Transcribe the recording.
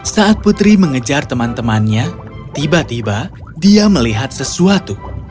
saat putri mengejar teman temannya tiba tiba dia melihat sesuatu